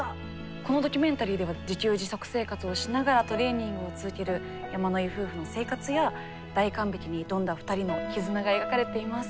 このドキュメンタリーでは自給自足生活をしながらトレーニングを続ける山野井夫婦の生活や大岩壁に挑んだ２人の絆が描かれています。